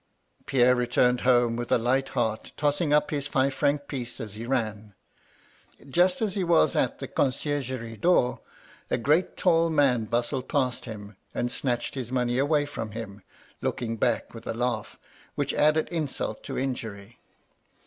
" Pierre returned home with a light heart, tossing up his five franc piece as he ran. Just as he was a 152 MY LADY LUDLOW. the coDciergerie door, a great tall man bustled past him, and snatched his money away from him, looking back with a laugh, which added insult to injury.